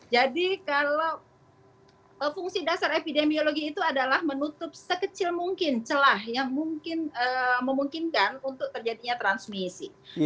jadi kalau fungsi dasar epidemiologi itu adalah menutup sekecil mungkin celah yang memungkinkan untuk terjadinya transmisi